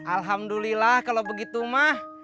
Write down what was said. alhamdulillah kalau begitu mah